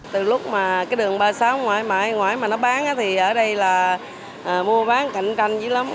từ lúc mà cái đường ba mươi sáu ngoài ngoài mà nó bán thì ở đây là mua bán cạnh tranh dữ lắm